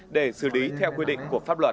để xử lý theo quy định của pháp luật